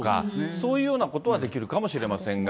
そういうようなことはできるかもしれませんが。